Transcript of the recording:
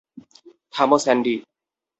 থামো, স্যান্ডি।